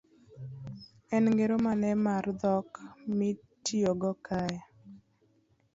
En ngero mane mar dhok mitiyogo kae?